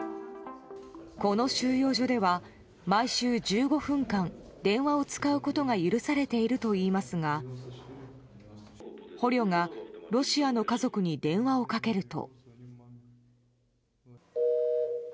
この収容所では毎週１５分間電話を使うことが許されているといいますが捕虜がロシアの家族に電話をかけると。